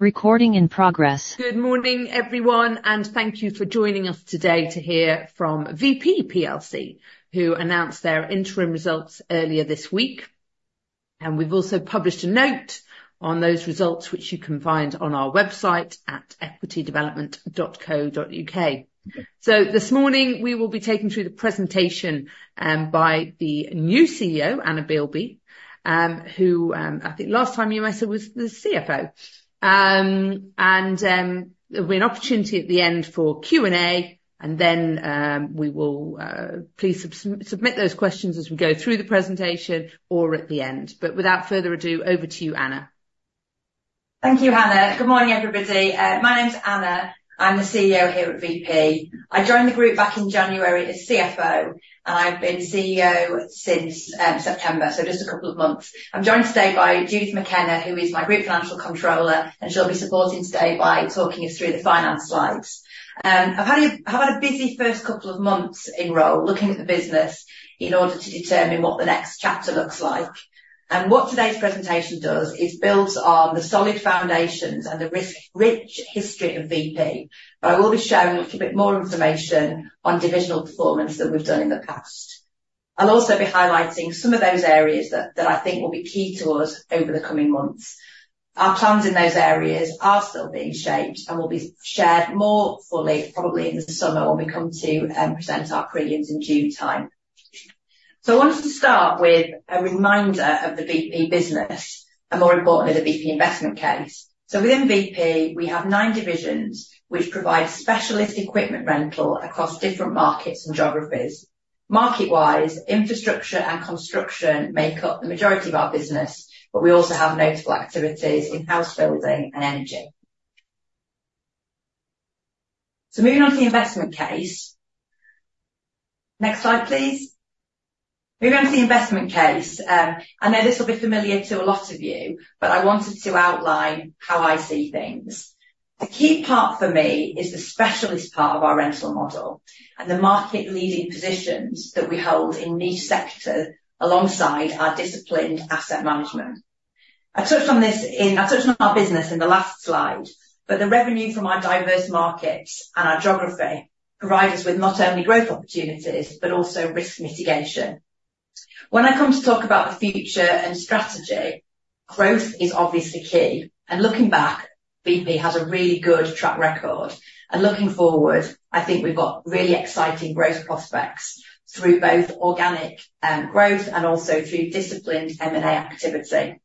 Recording in progress. Good morning, everyone, and thank you for joining us today to hear from Vp plc, who announced their interim results earlier this week. We've also published a note on those results, which you can find on our website at equitydevelopment.co.uk. This morning, we will be taking through the presentation by the new CEO, Anna Bielby, who, I think, last time you were with us was the CFO. And there will be an opportunity at the end for Q&A, and then... Please submit those questions as we go through the presentation or at the end. Without further ado, over to you, Anna. Thank you, Hannah. Good morning, everybody. My name's Anna. I'm the CEO here at Vp. I joined the group back in January as CFO, and I've been CEO since September, so just a couple of months. I'm joined today by Judith McKenzie, who is my Group Financial Controller, and she'll be supporting today by talking us through the finance slides. I've had a busy first couple of months in role, looking at the business in order to determine what the next chapter looks like. And what today's presentation does is builds on the solid foundations and the risk-rich history of Vp, but I will be sharing a little bit more information on divisional performance than we've done in the past. I'll also be highlighting some of those areas that I think will be key to us over the coming months. Our plans in those areas are still being shaped and will be shared more fully, probably in the summer, when we come to present our prelims in due time. So I wanted to start with a reminder of the Vp business, and more importantly, the Vp investment case. So within Vp, we have nine divisions which provide specialist equipment rental across different markets and geographies. Market-wise, infrastructure and construction make up the majority of our business, but we also have notable activities in house building and energy. So moving on to the investment case. Next slide, please. Moving on to the investment case, I know this will be familiar to a lot of you, but I wanted to outline how I see things. A key part for me is the specialist part of our rental model and the market-leading positions that we hold in each sector, alongside our disciplined asset management. I touched on this. I touched on our business in the last slide, but the revenue from our diverse markets and our geography provide us with not only growth opportunities but also risk mitigation. When I come to talk about the future and strategy, growth is obviously key, and looking back, Vp has a really good track record. Looking forward, I think we've got really exciting growth prospects through both organic growth and also through disciplined M&A activity.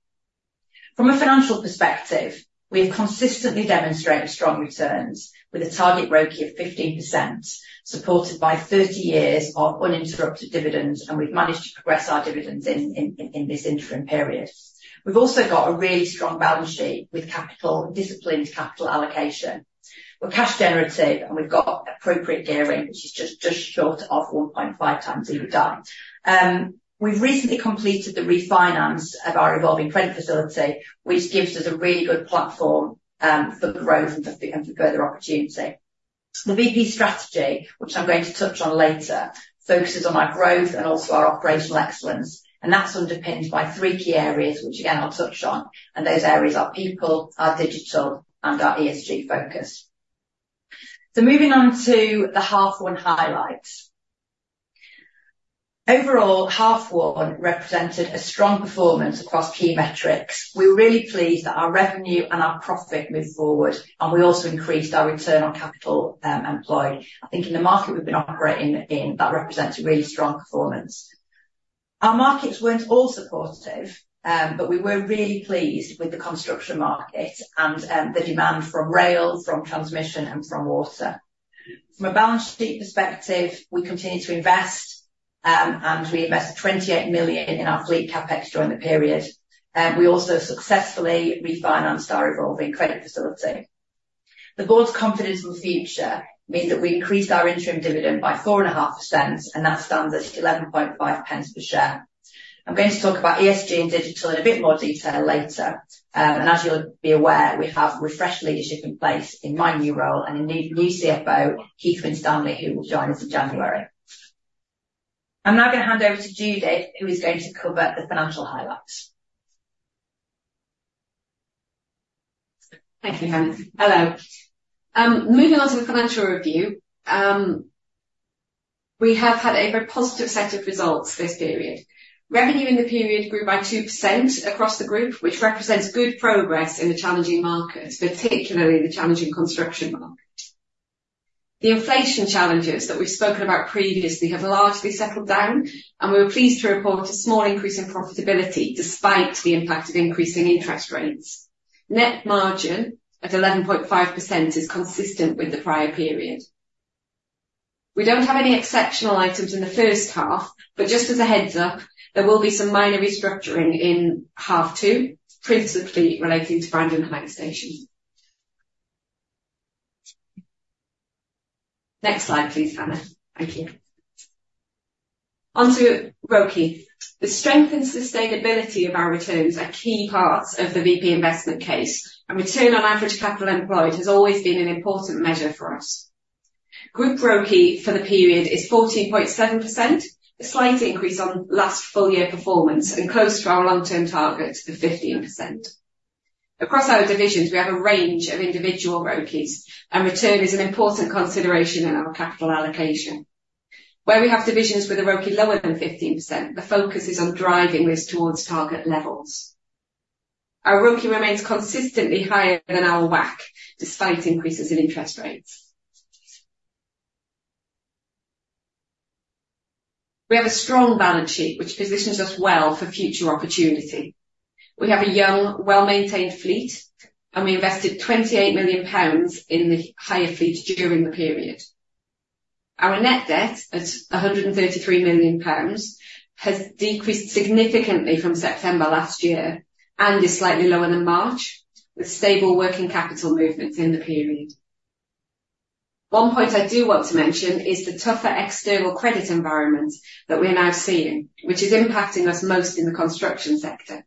From a financial perspective, we have consistently demonstrated strong returns with a target ROCE of 15%, supported by 30 years of uninterrupted dividends, and we've managed to progress our dividends in this interim period. We've also got a really strong balance sheet with capital, disciplined capital allocation. We're cash generative, and we've got appropriate gearing, which is just, just short of 1.5 times EBITDA. We've recently completed the refinance of our revolving credit facility, which gives us a really good platform, for growth and for further opportunity. The Vp strategy, which I'm going to touch on later, focuses on our growth and also our operational excellence, and that's underpinned by three key areas, which again, I'll touch on, and those areas are people, our digital, and our ESG focus. Moving on to the half one highlights. Overall, half one represented a strong performance across key metrics. We're really pleased that our revenue and our profit moved forward, and we also increased our return on capital employed. I think in the market we've been operating in, that represents a really strong performance. Our markets weren't all supportive, but we were really pleased with the construction market and the demand from rail, from transmission, and from water. From a balance sheet perspective, we continued to invest, and we invested 28 million in our fleet CapEx during the period, and we also successfully refinanced our revolving credit facility. The board's confidence in the future means that we increased our interim dividend by 4.5%, and that stands at 11.5 pence per share. I'm going to talk about ESG and digital in a bit more detail later. And as you'll be aware, we have refreshed leadership in place in my new role and a new CFO, Keith Winstanley, who will join us in January. I'm now going to hand over to Judith, who is going to cover the financial highlights. Thank you, Hannah. Hello. Moving on to the financial review. We have had a very positive set of results this period. Revenue in the period grew by 2% across the group, which represents good progress in a challenging market, particularly the challenging construction market. The inflation challenges that we've spoken about previously have largely settled down, and we were pleased to report a small increase in profitability despite the impact of increasing interest rates. Net margin at 11.5% is consistent with the prior period. We don't have any exceptional items in the first half, but just as a heads-up, there will be some minor restructuring in half two, principally relating to Brandon Hire Station. Next slide, please, Hannah. Thank you. Onto ROCE. The strength and sustainability of our returns are key parts of the Vp investment case, and return on average capital employed has always been an important measure for us. Group ROCE for the period is 14.7%, a slight increase on last full year performance and close to our long-term target of 15%. Across our divisions, we have a range of individual ROCEs, and return is an important consideration in our capital allocation. Where we have divisions with a ROCE lower than 15%, the focus is on driving this towards target levels. Our ROCE remains consistently higher than our WACC, despite increases in interest rates. We have a strong balance sheet which positions us well for future opportunity. We have a young, well-maintained fleet, and we invested 28 million pounds in the hire fleet during the period. Our net debt at 133 million pounds has decreased significantly from September last year and is slightly lower than March, with stable working capital movements in the period. One point I do want to mention is the tougher external credit environment that we are now seeing, which is impacting us most in the construction sector.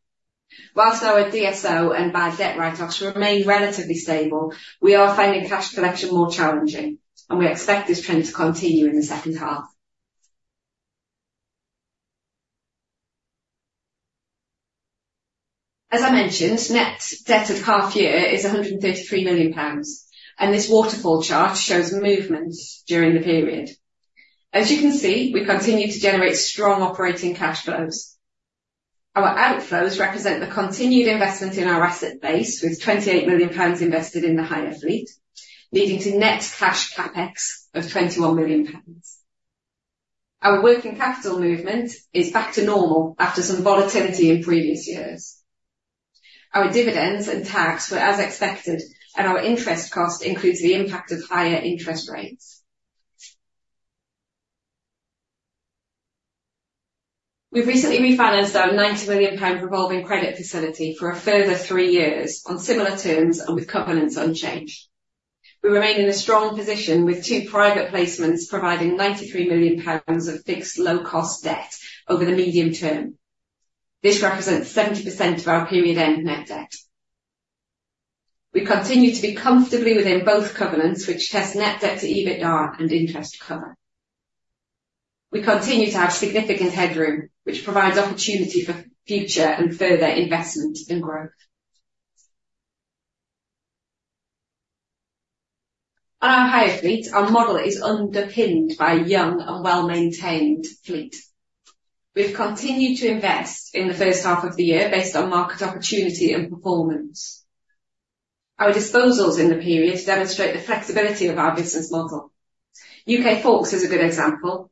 Whilst our DSO and bad debt write-offs remain relatively stable, we are finding cash collection more challenging, and we expect this trend to continue in the second half. As I mentioned, net debt at half year is 133 million pounds, and this waterfall chart shows movements during the period. As you can see, we continue to generate strong operating cash flows. Our outflows represent the continued investment in our asset base, with 28 million pounds invested in the hire fleet, leading to net cash CapEx of 21 million pounds. Our working capital movement is back to normal after some volatility in previous years. Our dividends and tax were as expected, and our interest cost includes the impact of higher interest rates. We've recently refinanced our 90 million pound revolving credit facility for a further three years on similar terms and with covenants unchanged. We remain in a strong position with two private placements, providing 93 million pounds of fixed low-cost debt over the medium term. This represents 70% of our period end net debt. We continue to be comfortably within both covenants, which test net debt to EBITDA and interest cover. We continue to have significant headroom, which provides opportunity for future and further investment and growth. On our hire fleet, our model is underpinned by a young and well-maintained fleet. We've continued to invest in the first half of the year based on market opportunity and performance. Our disposals in the period demonstrate the flexibility of our business model. UK Forks is a good example,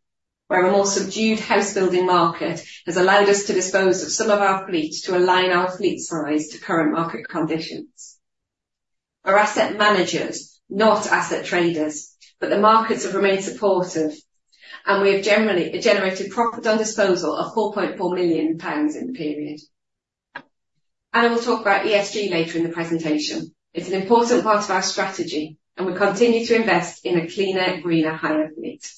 where a more subdued house building market has allowed us to dispose of some of our fleet to align our fleet size to current market conditions. Our asset managers, not asset traders, but the markets have remained supportive, and we have generally generated profit on disposal of 4.4 million pounds in the period. Anna will talk about ESG later in the presentation. It's an important part of our strategy, and we continue to invest in a cleaner and greener hire fleet.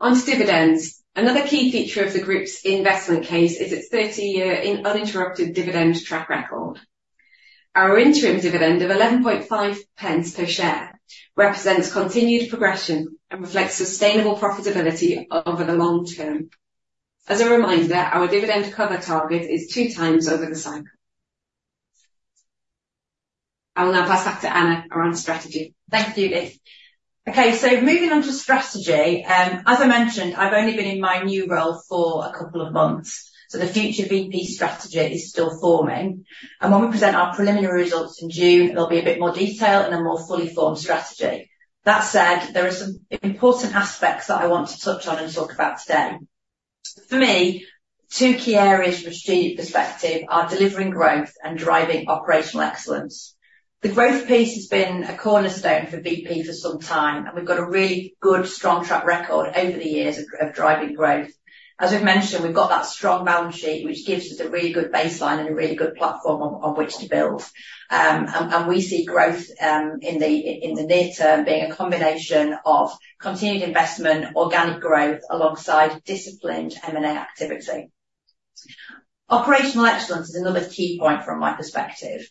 On to dividends. Another key feature of the group's investment case is its 30-year uninterrupted dividend track record. Our interim dividend of 11.5 pence per share represents continued progression and reflects sustainable profitability over the long term. As a reminder, our dividend cover target is 2x over the cycle. I will now pass back to Anna around strategy. Thank you, Judith. Okay, so moving on to strategy. As I mentioned, I've only been in my new role for a couple of months, so the future Vp strategy is still forming, and when we present our preliminary results in June, there'll be a bit more detail and a more fully formed strategy. That said, there are some important aspects that I want to touch on and talk about today. For me, two key areas from a strategy perspective are delivering growth and driving operational excellence. The growth piece has been a cornerstone for Vp for some time, and we've got a really good, strong track record over the years of, of driving growth. As we've mentioned, we've got that strong balance sheet, which gives us a really good baseline and a really good platform on, on which to build. And we see growth in the near term being a combination of continued investment, organic growth, alongside disciplined M&A activity. Operational excellence is another key point from my perspective.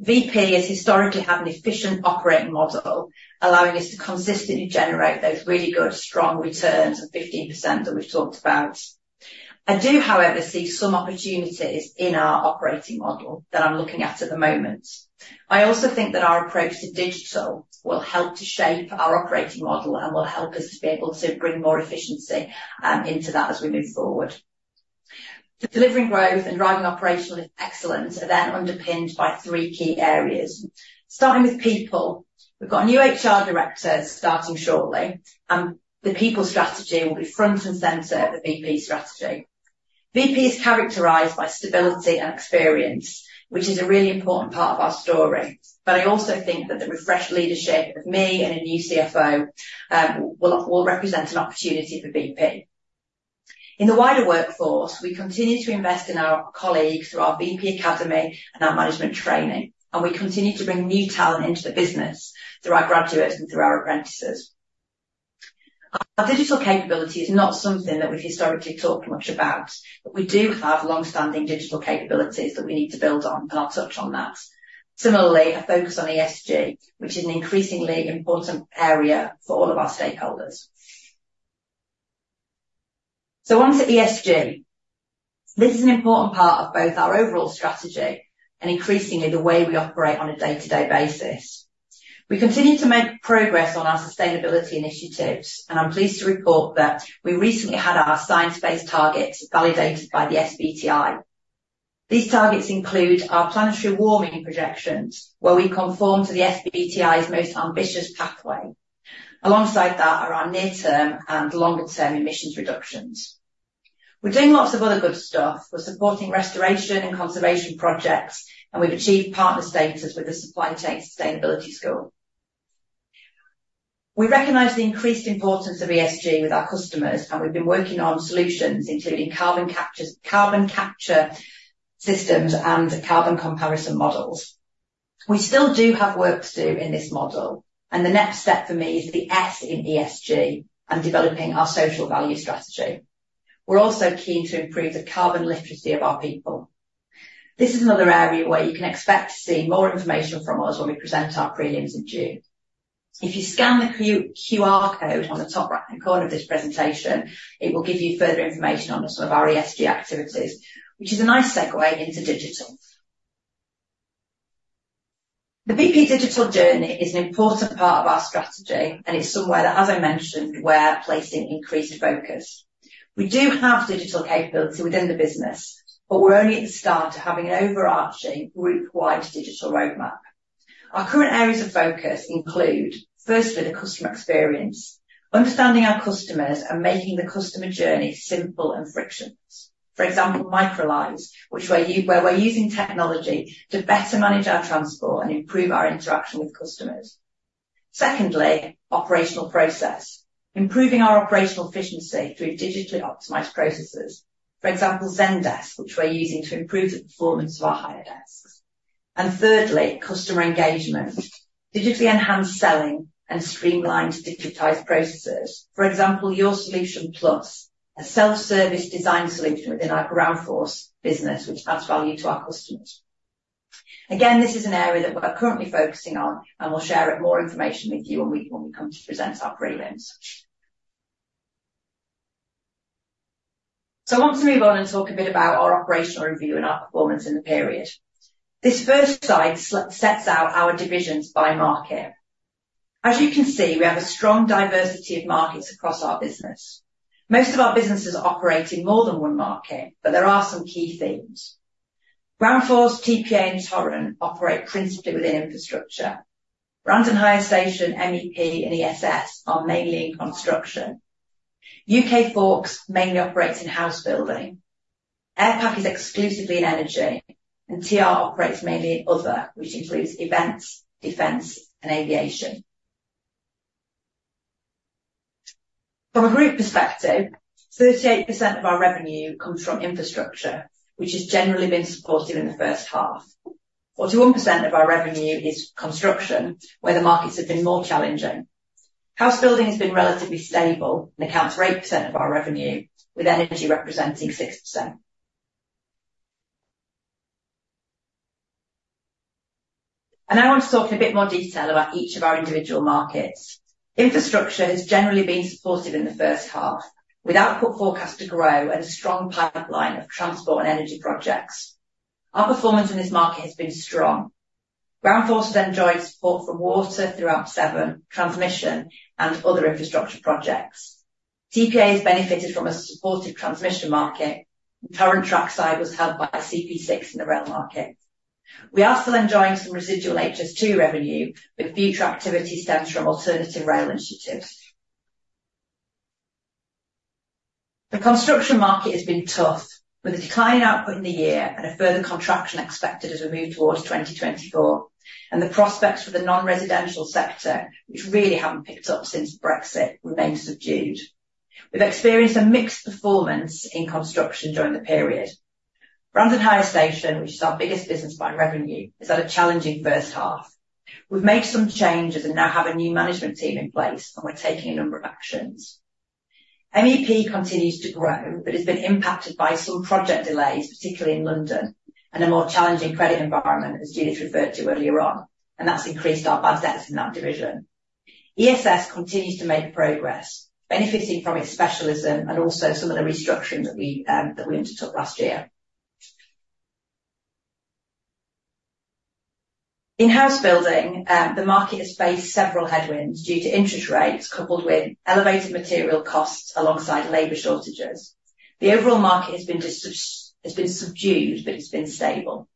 Vp has historically had an efficient operating model, allowing us to consistently generate those really good strong returns of 15% that we've talked about. I do, however, see some opportunities in our operating model that I'm looking at the moment. I also think that our approach to digital will help to shape our operating model and will help us to be able to bring more efficiency into that as we move forward. Delivering growth and driving operational excellence are then underpinned by three key areas. Starting with people, we've got a new HR director starting shortly, and the people strategy will be front and center of the Vp strategy. Vp is characterized by stability and experience, which is a really important part of our story. But I also think that the refreshed leadership of me and a new CFO will represent an opportunity for Vp. In the wider workforce, we continue to invest in our colleagues through our Vp academy and our management training, and we continue to bring new talent into the business through our graduates and through our apprentices. Our digital capability is not something that we've historically talked much about, but we do have long-standing digital capabilities that we need to build on, and I'll touch on that. Similarly, a focus on ESG, which is an increasingly important area for all of our stakeholders. So onto ESG. This is an important part of both our overall strategy and increasingly the way we operate on a day-to-day basis. We continue to make progress on our sustainability initiatives, and I'm pleased to report that we recently had our science-based targets validated by the SBTi. These targets include our planetary warming projections, where we conform to the SBTi's most ambitious pathway. Alongside that, are our near-term and longer-term emissions reductions. We're doing lots of other good stuff. We're supporting restoration and conservation projects, and we've achieved partner status with the Supply Chain Sustainability School. We recognize the increased importance of ESG with our customers, and we've been working on solutions including carbon captures, carbon capture systems, and carbon comparison models. We still do have work to do in this model, and the next step for me is the S in ESG and developing our social value strategy. We're also keen to improve the carbon literacy of our people. This is another area where you can expect to see more information from us when we present our prelims in June. If you scan the QR code on the top right-hand corner of this presentation, it will give you further information on some of our ESG activities, which is a nice segue into digital. The Vp digital journey is an important part of our strategy, and it's somewhere that, as I mentioned, we're placing increased focus. We do have digital capability within the business, but we're only at the start of having an overarching group-wide digital roadmap. Our current areas of focus include, firstly, the customer experience, understanding our customers, and making the customer journey simple and frictionless. For example, Microlise, which we're where we're using technology to better manage our transport and improve our interaction with customers. Secondly, operational process. Improving our operational efficiency through digitally optimized processes. For example, Zendesk, which we're using to improve the performance of our hire desks. Thirdly, customer engagement. Digitally enhanced selling and streamlined, digitized processes. For example, YourSolution+, a self-service design solution within our Groundforce business, which adds value to our customers. Again, this is an area that we are currently focusing on, and we'll share more information with you when we come to present our prelims. So I want to move on and talk a bit about our operational review and our performance in the period. This first slide sets out our divisions by market. As you can see, we have a strong diversity of markets across our business. Most of our businesses operate in more than one market, but there are some key themes. Groundforce, TPA, and Torrent operate principally within infrastructure. Brandon Hire Station, MEP, and ESS are mainly in construction. UK Forks mainly operates in house building. Airpac is exclusively in energy, and TR operates mainly in other, which includes events, defense, and aviation. From a group perspective, 38% of our revenue comes from infrastructure, which has generally been supportive in the first half. 41% of our revenue is construction, where the markets have been more challenging. House building has been relatively stable and accounts for 8% of our revenue, with energy representing 6%. I want to talk in a bit more detail about each of our individual markets. Infrastructure has generally been supportive in the first half, with output forecast to grow and a strong pipeline of transport and energy projects. Our performance in this market has been strong. Groundforce has enjoyed support from water, AMP7, transmission, and other infrastructure projects. TPA has benefited from a supportive transmission market, and Torrent Trackside was held by CP6 in the rail market. We are still enjoying some residual HS2 revenue, with future activity stems from alternative rail initiatives. The construction market has been tough, with a decline in output in the year and a further contraction expected as we move towards 2024, and the prospects for the non-residential sector, which really haven't picked up since Brexit, remain subdued. We've experienced a mixed performance in construction during the period. Brandon Hire Station, which is our biggest business by revenue, has had a challenging first half. We've made some changes and now have a new management team in place, and we're taking a number of actions. MEP continues to grow, but has been impacted by some project delays, particularly in London, and a more challenging credit environment, as Judith referred to earlier on, and that's increased our bad debts in that division. ESS continues to make progress, benefiting from its specialism and also some of the restructuring that we, that we undertook last year. In house building, the market has faced several headwinds due to interest rates, coupled with elevated material costs alongside labor shortages. The overall market has been subdued, but it's been stable.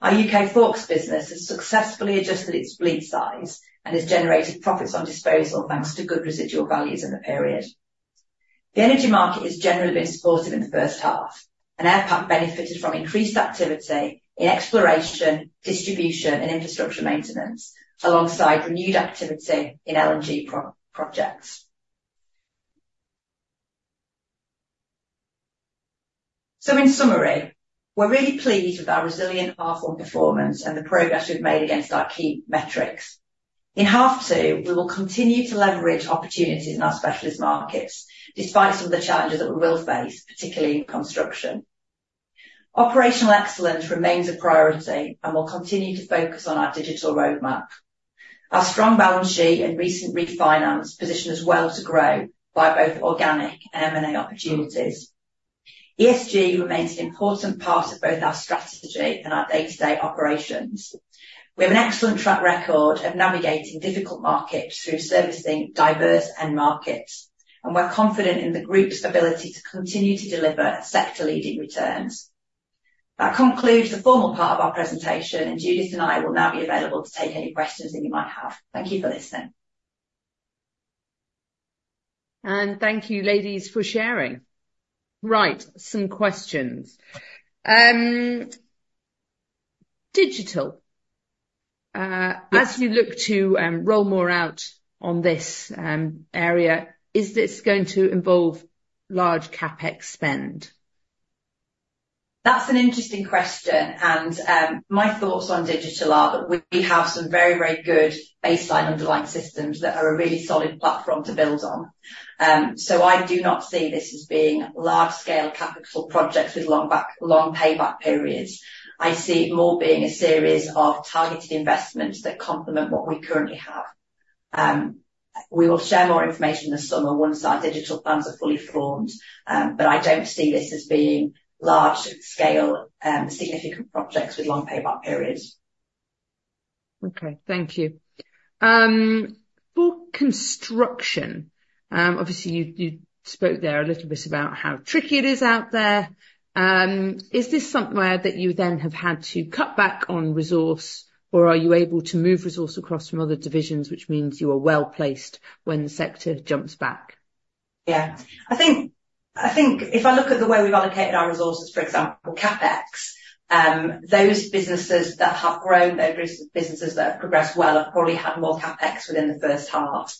Our UK Forks business has successfully adjusted its fleet size and has generated profits on disposal, thanks to good residual values in the period. The energy market has generally been supportive in the first half, and Airpac benefited from increased activity in exploration, distribution, and infrastructure maintenance, alongside renewed activity in LNG projects.... In summary, we're really pleased with our resilient half one performance and the progress we've made against our key metrics. In half two, we will continue to leverage opportunities in our specialist markets, despite some of the challenges that we will face, particularly in construction. Operational excellence remains a priority, and we'll continue to focus on our digital roadmap. Our strong balance sheet and recent refinance position us well to grow by both organic and M&A opportunities. ESG remains an important part of both our strategy and our day-to-day operations. We have an excellent track record of navigating difficult markets through servicing diverse end markets, and we're confident in the group's ability to continue to deliver sector-leading returns. That concludes the formal part of our presentation, and Judith and I will now be available to take any questions that you might have. Thank you for listening. Thank you, ladies, for sharing. Right, some questions. Digital, as you look to roll more out on this area, is this going to involve large CapEx spend? That's an interesting question, and, my thoughts on digital are that we have some very, very good baseline underlying systems that are a really solid platform to build on. So I do not see this as being large-scale capital projects with long back, long payback periods. I see it more being a series of targeted investments that complement what we currently have. We will share more information in the summer once our digital plans are fully formed, but I don't see this as being large-scale, significant projects with long payback periods. Okay. Thank you. For construction, obviously, you, you spoke there a little bit about how tricky it is out there. Is this somewhere that you then have had to cut back on resource, or are you able to move resource across from other divisions, which means you are well-placed when the sector jumps back? Yeah. I think, I think if I look at the way we've allocated our resources, for example, CapEx, those businesses that have grown, those businesses that have progressed well, have probably had more CapEx within the first half.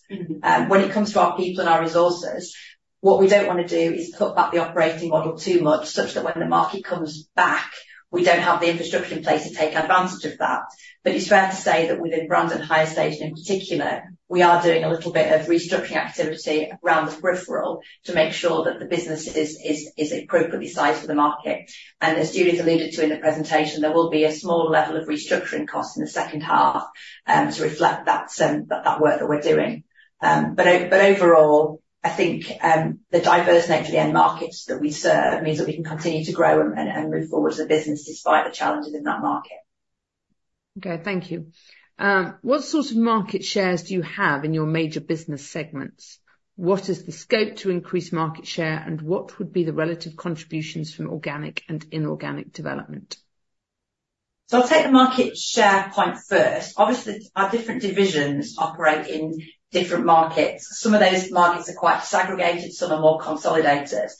When it comes to our people and our resources, what we don't wanna do is cut back the operating model too much such that when the market comes back, we don't have the infrastructure in place to take advantage of that. But it's fair to say that within Brandon Hire Station, in particular, we are doing a little bit of restructuring activity around the peripheral to make sure that the business is appropriately sized for the market. And as Judith alluded to in the presentation, there will be a small level of restructuring costs in the second half, to reflect that work that we're doing. But overall, I think the diverse nature of the end markets that we serve means that we can continue to grow and move forward as a business despite the challenges in that market. Okay. Thank you. What sort of market shares do you have in your major business segments? What is the scope to increase market share, and what would be the relative contributions from organic and inorganic development? So I'll take the market share point first. Obviously, our different divisions operate in different markets. Some of those markets are quite segregated, some are more consolidated.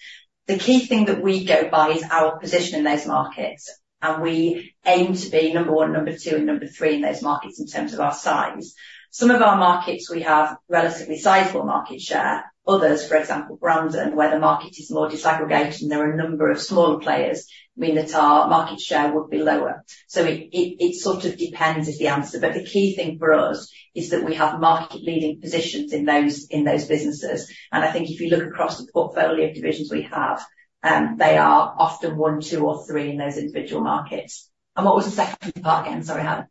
The key thing that we go by is our position in those markets, and we aim to be number one, number two, and number three in those markets in terms of our size. Some of our markets, we have relatively sizable market share. Others, for example, Brandon, where the market is more disaggregated, there are a number of smaller players, mean that our market share would be lower. So it sort of depends, is the answer. But the key thing for us is that we have market-leading positions in those businesses, and I think if you look across the portfolio of divisions we have, they are often one, two, or three in those individual markets. What was the second part again? Sorry, Hannah.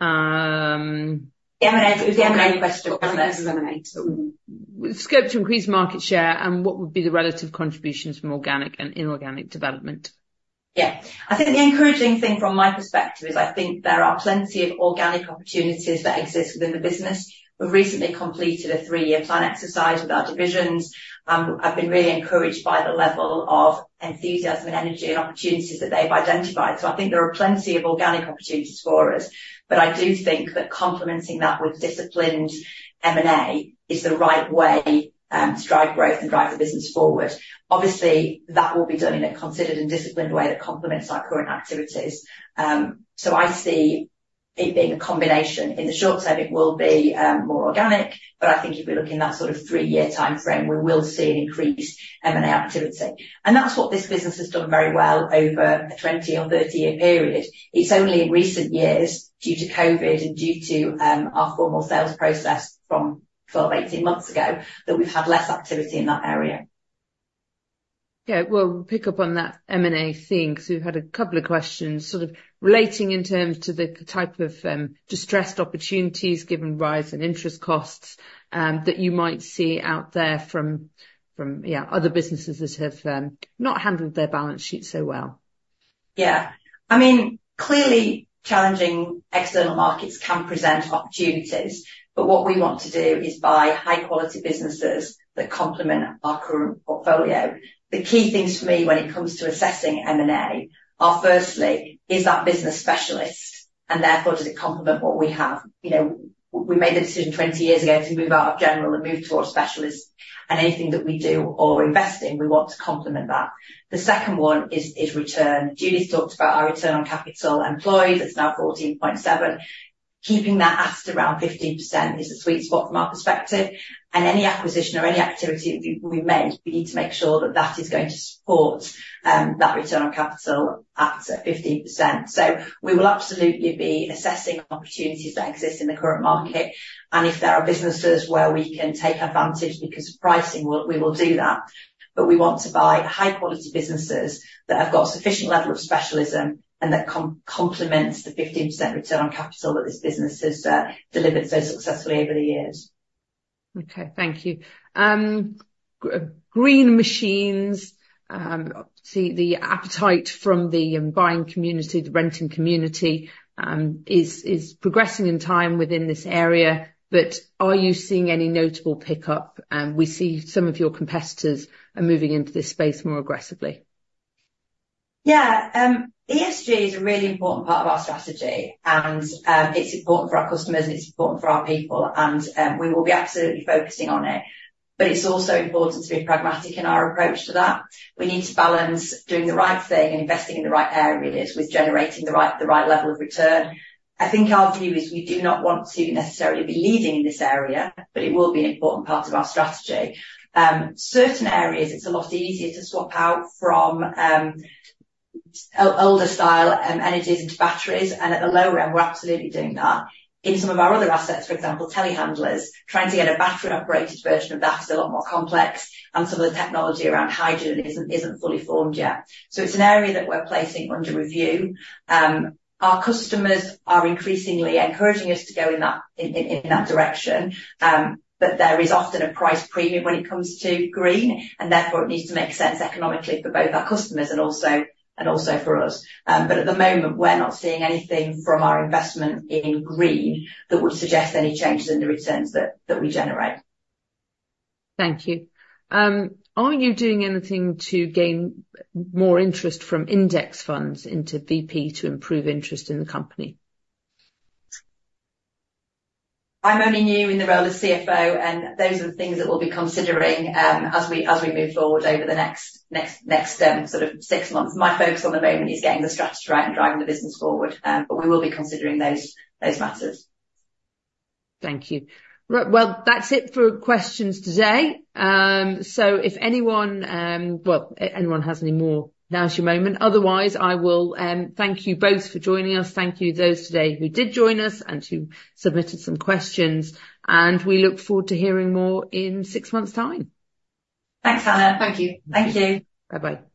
M&A. It was the M&A question. Scope to increase market share, and what would be the relative contributions from organic and inorganic development? Yeah. I think the encouraging thing from my perspective is I think there are plenty of organic opportunities that exist within the business. We've recently completed a three-year plan exercise with our divisions. I've been really encouraged by the level of enthusiasm and energy and opportunities that they've identified. So I think there are plenty of organic opportunities for us, but I do think that complementing that with disciplined M&A is the right way to drive growth and drive the business forward. Obviously, that will be done in a considered and disciplined way that complements our current activities. So I see it being a combination. In the short term, it will be more organic, but I think if we look in that sort of three-year timeframe, we will see an increase M&A activity. That's what this business has done very well over a 20- or 30-year period. It's only in recent years, due to COVID and due to our formal sales process from 12-18 months ago, that we've had less activity in that area. Yeah. We'll pick up on that M&A thing 'cause we've had a couple of questions sort of relating in terms to the type of distressed opportunities, given rise in interest costs, that you might see out there from other businesses that have not handled their balance sheet so well. Yeah. I mean, clearly, challenging external markets can present opportunities, but what we want to do is buy high-quality businesses that complement our current portfolio. The key things for me when it comes to assessing M&A are, firstly, is that business specialist, and therefore does it complement what we have? You know, we made the decision 20 years ago to move out of general and move towards specialist, and anything that we do or invest in, we want to complement that. The second one is, is return. Judith talked about our return on capital employed. It's now 14.7.... keeping that at around 15% is the sweet spot from our perspective, and any acquisition or any activity that we make, we need to make sure that that is going to support that return on capital at 15%. So we will absolutely be assessing opportunities that exist in the current market, and if there are businesses where we can take advantage because of pricing, we will do that. But we want to buy high-quality businesses that have got sufficient level of specialism and that complements the 15% return on capital that this business has delivered so successfully over the years. Okay, thank you. Green machines, see the appetite from the buying community, the renting community, is progressing in time within this area, but are you seeing any notable pickup? We see some of your competitors are moving into this space more aggressively. Yeah. ESG is a really important part of our strategy, and it's important for our customers, and it's important for our people, and we will be absolutely focusing on it. But it's also important to be pragmatic in our approach to that. We need to balance doing the right thing and investing in the right areas, with generating the right, the right level of return. I think our view is we do not want to necessarily be leading in this area, but it will be an important part of our strategy. Certain areas, it's a lot easier to swap out from older style energies into batteries, and at the low end, we're absolutely doing that. In some of our other assets, for example, telehandlers, trying to get a battery-operated version of that is a lot more complex, and some of the technology around hydrogen isn't fully formed yet. So it's an area that we're placing under review. Our customers are increasingly encouraging us to go in that direction. But there is often a price premium when it comes to green, and therefore it needs to make sense economically for both our customers and also for us. But at the moment, we're not seeing anything from our investment in green that would suggest any changes in the returns that we generate. Thank you. Are you doing anything to gain more interest from index funds into Vp to improve interest in the company? I'm only new in the role as CFO, and those are the things that we'll be considering, as we move forward over the next sort of six months. My focus at the moment is getting the strategy right and driving the business forward, but we will be considering those matters. Thank you. Right. Well, that's it for questions today. So if anyone... Well, anyone has any more, now is your moment. Otherwise, I will... Thank you both for joining us. Thank you those today who did join us and who submitted some questions, and we look forward to hearing more in six months' time. Thanks, Hannah. Thank you. Thank you. Bye-bye.